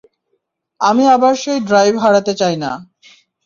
আমি আবার সেই ড্রাইভ হারাতে চাই না।